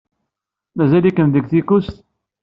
Mazal-ikem deg Tikust?